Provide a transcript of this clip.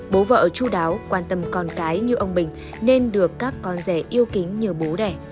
bố vợ chú đáo quan tâm con cái như ông bình nên được các con rể yêu kính như bố đẻ